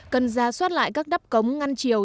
cần ra soát lại các đắp cống ngăn chiều